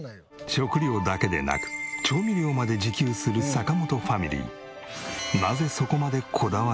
食料だけでなく調味料まで自給する坂本ファミリー。